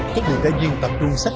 các người đã viên tập đường sách